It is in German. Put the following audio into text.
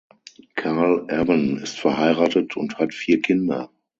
Carl Ewen ist verheiratet und hat vier Kinder.